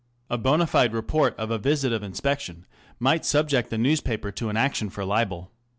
A bond fide report of a visit of inspection might subject a newspaper to an action for libel.